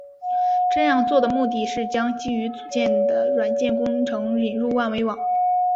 这样做的目的是将基于组件的软件工程引入万维网。